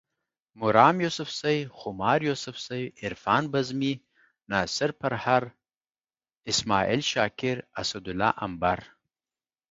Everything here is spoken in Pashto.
مرام یوسفزے، خمار یوسفزے، عرفان بزمي، ناصر پرهر، اسماعیل شاکر، اسدالله امبر